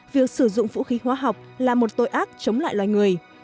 việc sử dụng vũ khí hóa học là một tội ác chống lại loài người